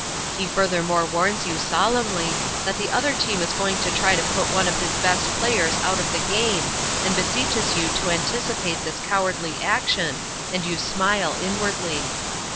He furthermore warns you solemnly that the other team is going to try to put one of his best players out of the game and beseeches you to anticipate this cowardly action, and you smile inwardly.